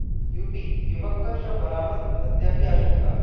UP युवक का शव बरामद, हत्या की आशंका